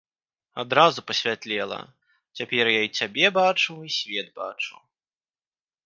Адразу пасвятлела, цяпер я і цябе бачу, і свет бачу.